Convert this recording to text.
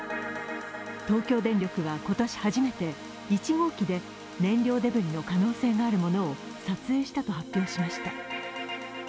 東京電力は、今年初めて１号機で燃料デブリの可能性があるものを撮影したと発表しました。